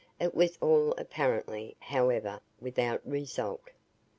It was all, apparently, however, without result.